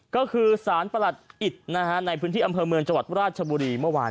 ก็คือสารประหลัดอิตในพื้นที่อำเภอเมืองจังหวัดราชบุรีเมื่อวาน